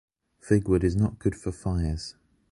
Fig wood is not good for fires.